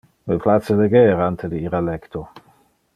Me place leger ante de ir a lecto.